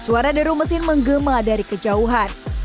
suara deru mesin menggema dari kejauhan